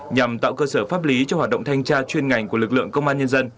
nhằm tạo cơ sở pháp lý cho hoạt động thanh tra chuyên ngành của lực lượng công an nhân dân